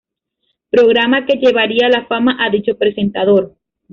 Programa que llevaría a la fama a dicho presentador.